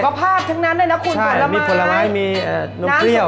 สุขภาพทั้งนั้นได้นะคุณผลไม้ใช่มีผลไม้มีเอ่อโน้มเกลี้ยว